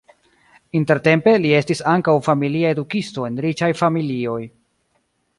Intertempe li estis ankaŭ familia edukisto en riĉaj familioj.